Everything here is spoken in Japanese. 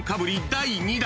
第２弾］